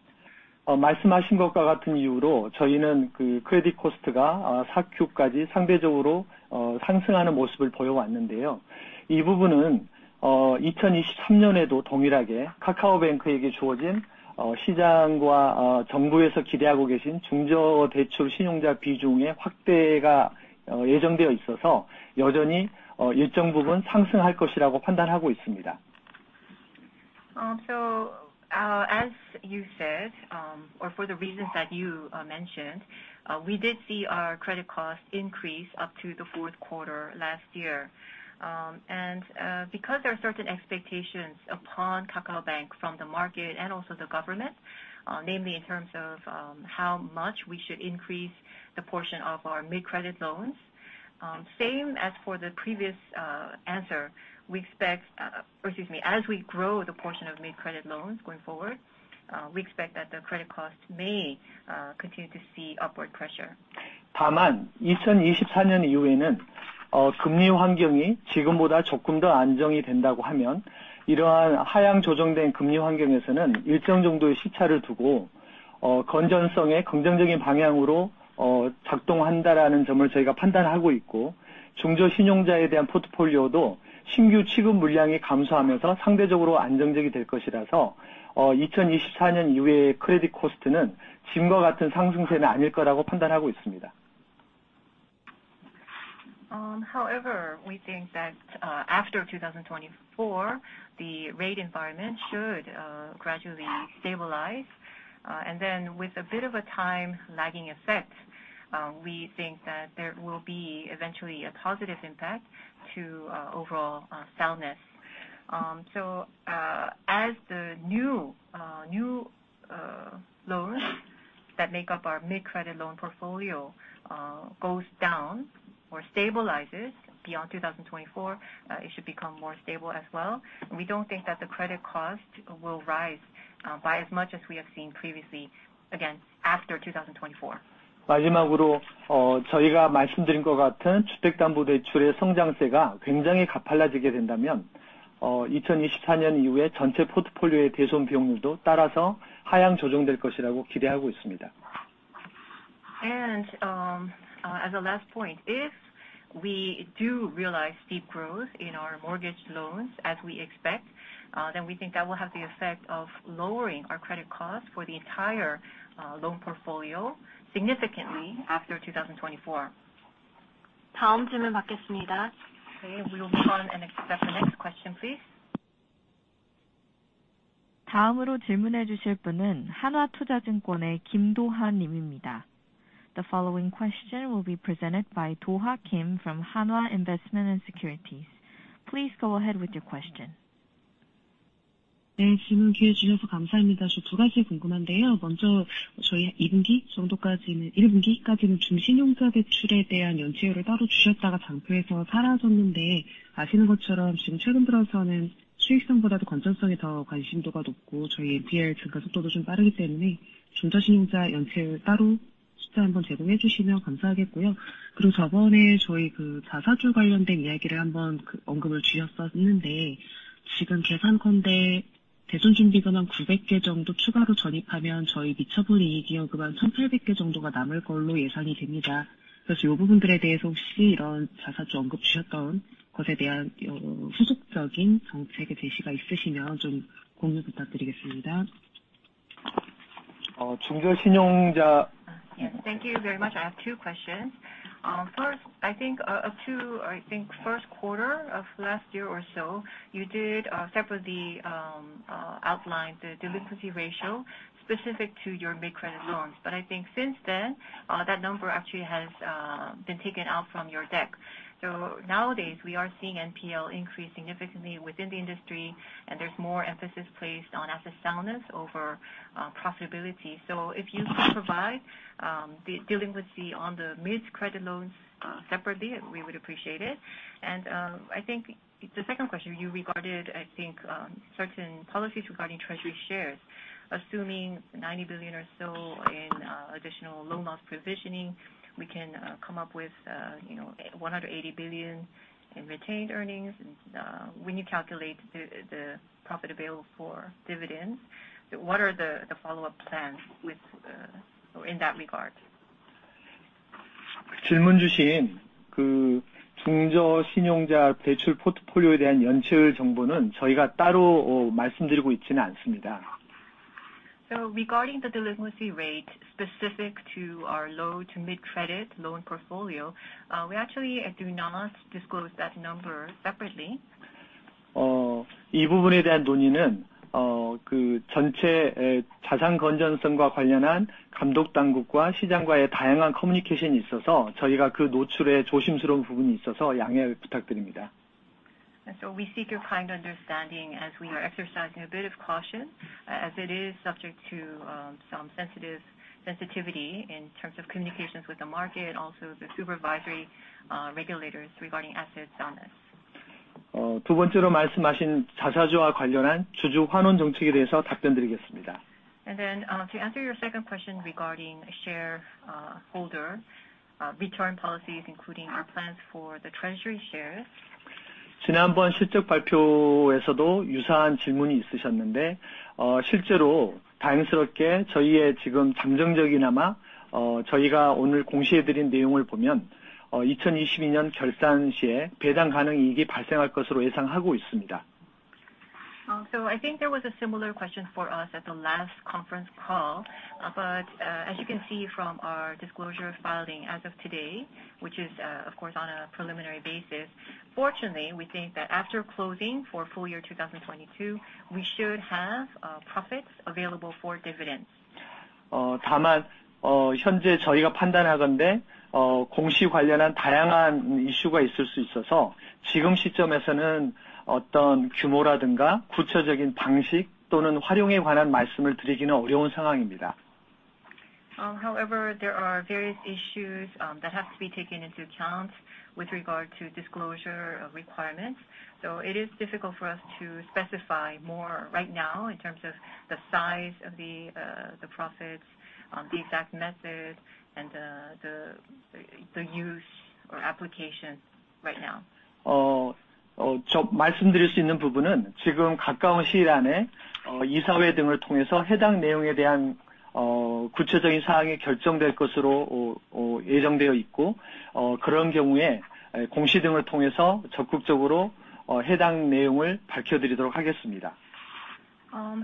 Speaker 4: 말씀하신 것과 같은 이유로 저희는 크레딧 코스트가 4Q까지 상대적으로 상승하는 모습을 보여왔는데요. 이 부분은 2023년에도 동일하게 KakaoBank에게 주어진 시장과 정부에서 기대하고 계신 중저대출 신용자 비중의 확대가 예정되어 있어서 여전히 일정 부분 상승할 것이라고 판단하고 있습니다.
Speaker 2: As you said, or for the reasons that you mentioned, we did see our credit costs increase up to the fourth quarter last year. Because there are certain expectations upon KakaoBank from the market and also the government, namely in terms of how much we should increase the portion of our mid-credit loans, same as for the previous answer, as we grow the portion of mid-credit loans going forward, we expect that the credit costs may continue to see upward pressure.
Speaker 4: 2024 이후에는 금리 환경이 지금보다 조금 더 안정이 된다고 하면 이러한 하향 조정된 금리 환경에서는 일정 정도의 시차를 두고 건전성에 긍정적인 방향으로 작동한다라는 점을 저희가 판단하고 있고, 중저신용자에 대한 포트폴리오도 신규 취급 물량이 감소하면서 상대적으로 안정적이 될 것이라서 2024 이후의 credit cost는 지금과 같은 상승세는 아닐 거라고 판단하고 있습니다.
Speaker 2: However, we think that after 2024, the rate environment should gradually stabilize. With a bit of a time lagging effect, we think that there will be eventually a positive impact to overall soundness. As the new loans that make up our mid credit loan portfolio goes down or stabilizes beyond 2024, it should become more stable as well. We don't think that the credit cost will rise by as much as we have seen previously, again, after 2024.
Speaker 4: 마지막으로, 저희가 말씀드린 것과 같은 주택담보대출의 성장세가 굉장히 가팔라지게 된다면, 2024년 이후에 전체 포트폴리오의 대손 비용률도 따라서 하향 조정될 것이라고 기대하고 있습니다.
Speaker 2: As a last point, if we do realize steep growth in our mortgage loans as we expect, then we think that will have the effect of lowering our credit costs for the entire loan portfolio significantly after 2024.
Speaker 1: 다음 질문 받겠습니다.
Speaker 2: Okay. We will move on and accept the next question, please.
Speaker 1: 다음으로 질문해 주실 분은 한화투자증권의 김도하 님입니다. The following question will be presented by Doha Kim from Hanwha Investment & Securities. Please go ahead with your question.
Speaker 7: 네, 질문 기회 주셔서 감사합니다. 저두 가지 궁금한데요. 먼저 저희 2Q 정도까지는 1Q까지는 중신용자 대출에 대한 연체율을 따로 줄였다가 장표에서 사라졌는데 아시는 것처럼 지금 최근 들어서는 수익성보다도 건전성에 더 관심도가 높고, 저희 NPR 증가 속도도 좀 빠르기 때문에 중저신용자 연체율 따로 숫자 한번 제공해 주시면 감사하겠고요. 그리고 저번에 저희 그 자사주 관련된 이야기를 한번 그 언급을 주셨었는데 지금 계산컨대 대손 준비금 한 900개 정도 추가로 전입하면 저희 미처분 이익잉여금 한 1,800개 정도가 남을 걸로 예상이 됩니다. 그래서 요 부분들에 대해서 혹시 이런 자사주 언급 주셨던 것에 대한 여 후속적인 정책의 제시가 있으시면 좀 공유 부탁드리겠습니다.
Speaker 2: Thank you very much. I have two questions. First, I think, up to, I think 1st quarter of last year or so, you did, separately, outline the delinquency ratio specific to your mid-credit loans. I think since then, that number actually has been taken out from your deck. Nowadays we are seeing NPL increase significantly within the industry, and there's more emphasis placed on asset soundness over profitability. If you could provide the delinquency on the mid-credit loans, separately, we would appreciate it. I think the second question you regarded, I think, certain policies regarding treasury shares, assuming 90 billion or so in additional loan loss provisioning, we can come up with, you know, 180 billion in retained earnings. When you calculate the profit available for dividends, what are the follow-up plans with or in that regard? Regarding the delinquency rate specific to our low to mid-credit loan portfolio, we actually do not disclose that number separately. We seek your kind understanding as we are exercising a bit of caution as it is subject to sensitivity in terms of communications with the market, also the supervisory regulators regarding asset soundness. To answer your second question regarding shareholder return policies, including our plans for the treasury shares. I think there was a similar question for us at the last conference call. As you can see from our disclosure filing as of today, which is, of course on a preliminary basis, fortunately, we think that after closing for full year 2022, we should have profits available for dividends. However, there are various issues that have to be taken into account with regard to disclosure requirements. It is difficult for us to specify more right now in terms of the size of the profits, the exact method and the use or application right now.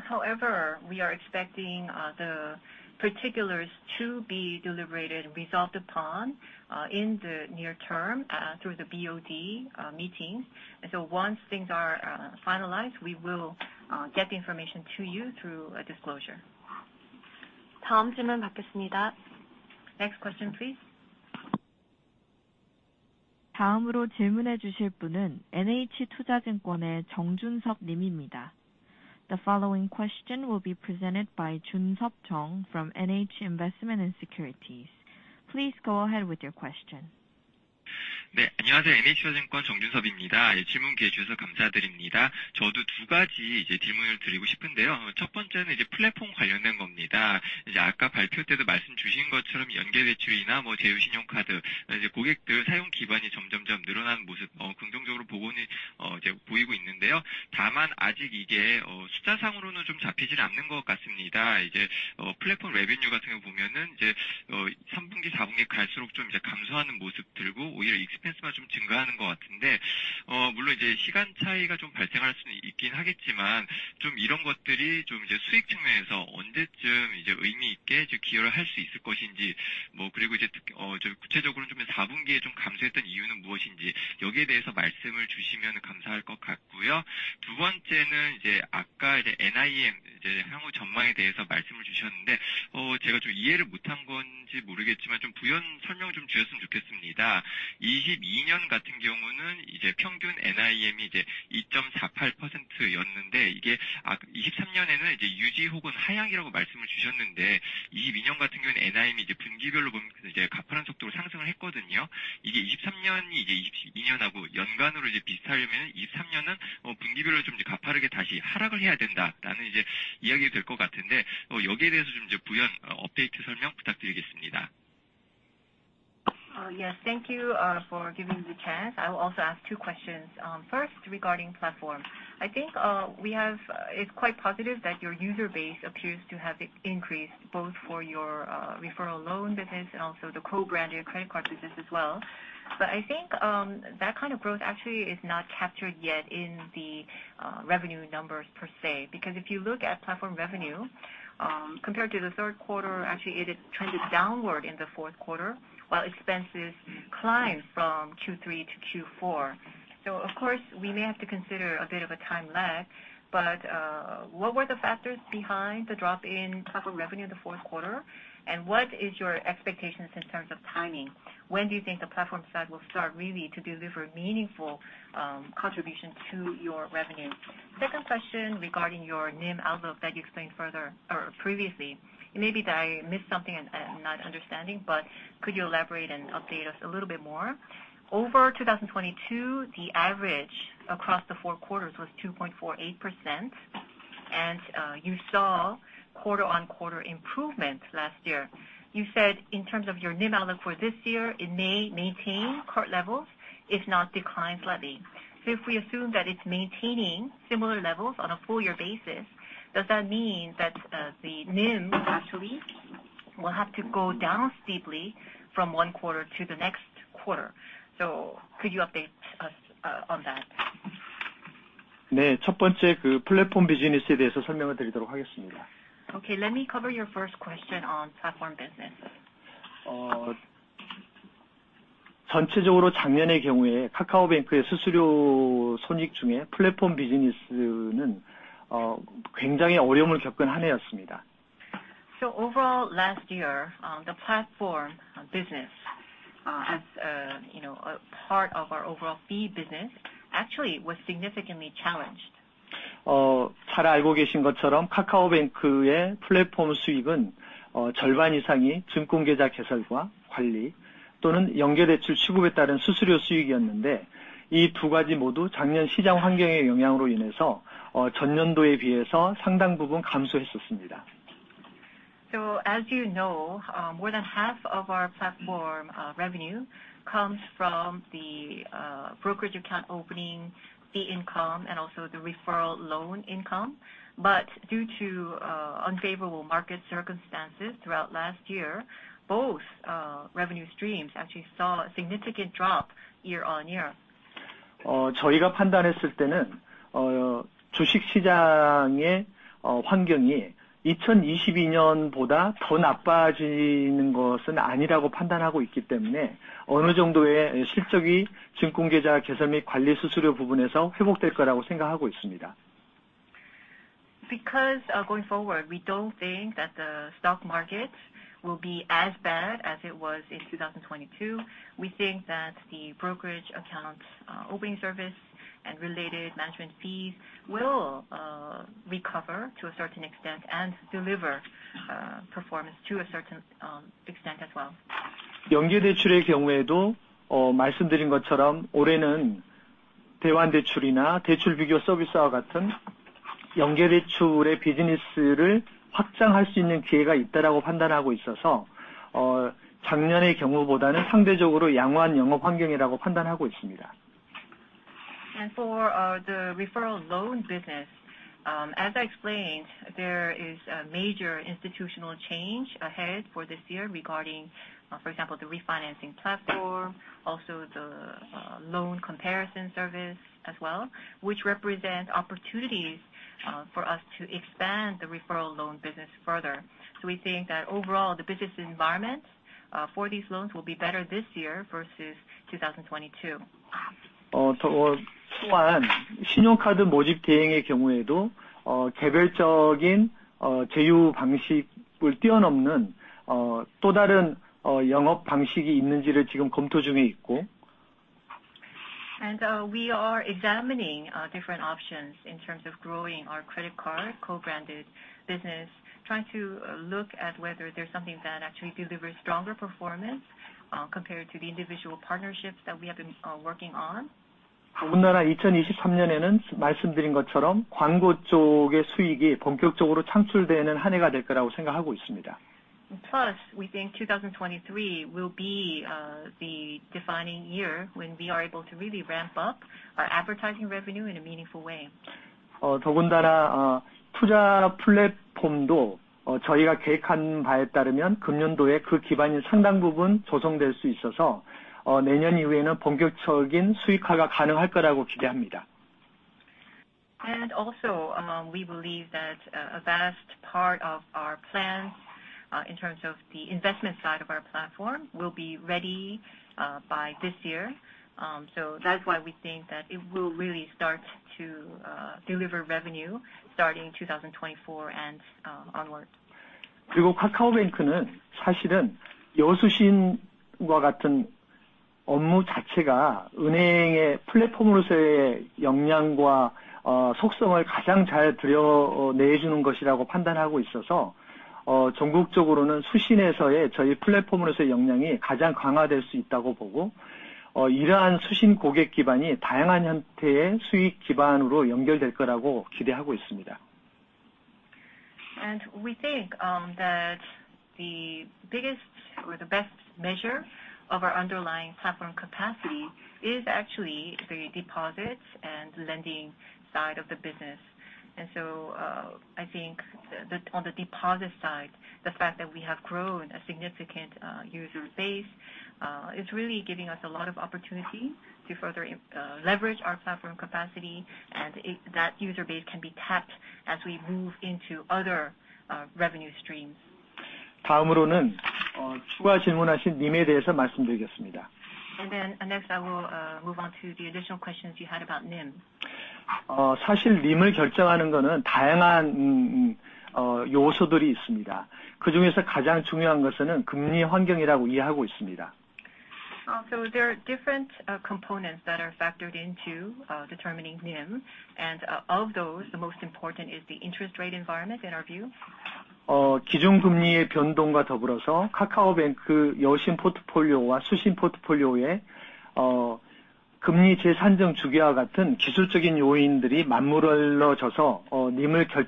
Speaker 2: However, we are expecting the particulars to be deliberated and resolved upon in the near term through the BOD meetings. Once things are finalized, we will get the information to you through a disclosure. Next question, please.
Speaker 1: The following question will be presented by Jun-sop Jung from NH Investment & Securities. Please go ahead with your question.
Speaker 2: Yes, thank you for giving me the chance. I will also ask two questions. First, regarding platform, I think, it's quite positive that your user base appears to have increased both for your referral loan business and also the co-branded credit card business as well. I think, that kind of growth actually is not captured yet in the revenue numbers per se. If you look at platform revenue, compared to the third quarter, actually it had trended downward in the fourth quarter, while expenses climbed from Q3 to Q4. Of course, we may have to consider a bit of a time lag, but what were the factors behind the drop in platform revenue in the fourth quarter, and what is your expectations in terms of timing? When do you think the platform side will start really to deliver meaningful contribution to your revenue? Second question regarding your NIM outlook that you explained further or previously. It may be that I missed something and not understanding, but could you elaborate and update us a little bit more? Over 2022, the average across the four quarters was 2.48%, and you saw quarter-on-quarter improvement last year. You said in terms of your NIM outlook for this year, it may maintain current levels if not decline slightly. If we assume that it's maintaining similar levels on a full year basis, does that mean that the NIM naturally will have to go down steeply from one quarter to the next quarter? Could you update us on that? Okay, let me cover your first question on platform business. Overall last year, the platform business, as you know, a part of our overall fee business actually was significantly challenged. As you know, more than half of our platform revenue comes from the brokerage account opening fee income and also the referral loan income. Due to unfavorable market circumstances throughout last year, both revenue streams actually saw a significant drop year-on-year. Going forward, we don't think that the stock market will be as bad as it was in 2022. We think that the brokerage account opening service and related management fees will recover to a certain extent and deliver performance to a certain extent as well. For the referral loan business, as I explained, there is a major institutional change ahead for this year regarding, for example, the refinancing platform, also the loan comparison service as well, which represent opportunities for us to expand the referral loan business further. We think that overall the business environment for these loans will be better this year versus 2022. We are examining different options in terms of growing our credit card co-branded business, trying to look at whether there's something that actually delivers stronger performance compared to the individual partnerships that we have been working on. Plus, we think 2023 will be the defining year when we are able to really ramp up our advertising revenue in a meaningful way. Also, we believe that a vast part of our plans, in terms of the investment side of our platform will be ready by this year. That's why we think that it will really start to deliver revenue starting 2024 and onward. We think that the biggest or the best measure of our underlying platform capacity is actually the deposits and lending side of the business. I think the, on the deposit side, the fact that we have grown a significant user base is really giving us a lot of opportunity to further leverage our platform capacity, that user base can be tapped as we move into other revenue streams. Next, I will move on to the additional questions you had about NIM. There are different components that are factored into determining NIM, of those, the most important is the interest rate environment, in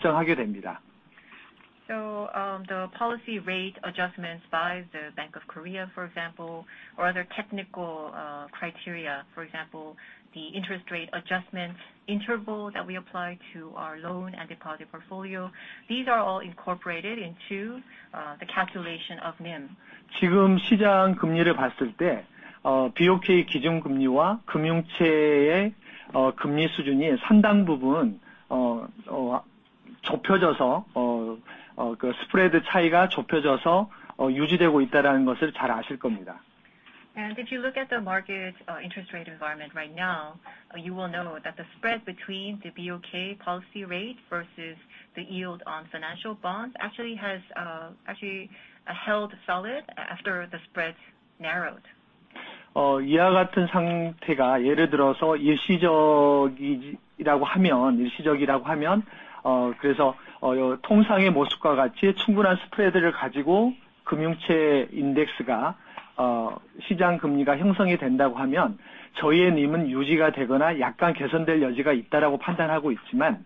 Speaker 2: our view. The policy rate adjustments by the Bank of Korea, for example, or other technical criteria, for example, the interest rate adjustments interval that we apply to our loan and deposit portfolio, these are all incorporated into the calculation of NIM. If you look at the market interest rate environment right now, you will know that the spread between the BOK policy rate versus the yield on financial bonds actually has actually held solid after the spreads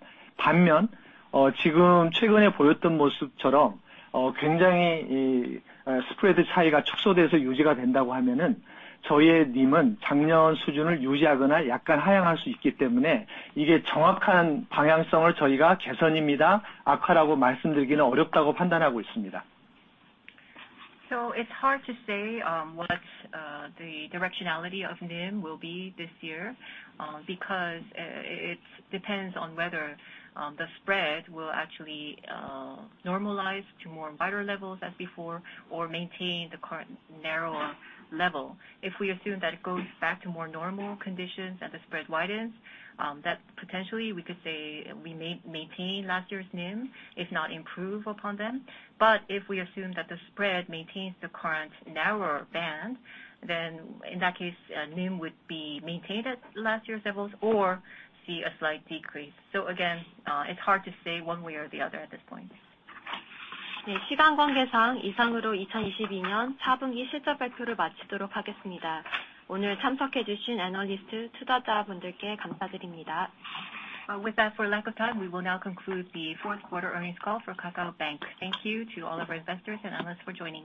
Speaker 2: narrowed. It's hard to say what the directionality of NIM will be this year because it depends on whether the spread will actually normalize to more wider levels as before or maintain the current narrower level. If we assume that it goes back to more normal conditions as the spread widens, that potentially we could say we may maintain last year's NIM, if not improve upon them. If we assume that the spread maintains the current narrower band, then in that case, NIM would be maintained at last year's levels or see a slight decrease. Again, it's hard to say one way or the other at this point. With that, for lack of time, we will now conclude the fourth quarter earnings call for KakaoBank. Thank you to all of our investors and analysts for joining.